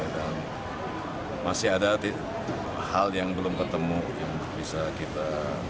dan masih ada hal yang belum ketemu yang bisa kita